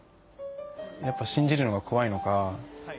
やっぱ信じるのが怖いのか。